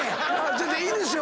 全然いいですよ。